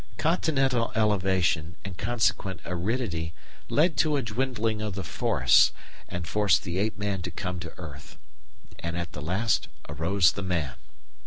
Continental elevation and consequent aridity led to a dwindling of the forests, and forced the ape man to come to earth. "And at the last arose the man."